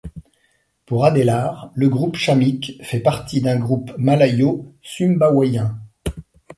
Pour Adelaar, le groupe chamique fait partie d'un groupe malayo-sumbawien.